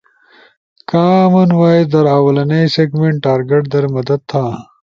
کامن وائس در آولنئی سیگمنٹ ٹارگٹ در مدد تھا